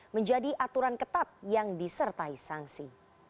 menjadi aturan ketat yang disertai sanksi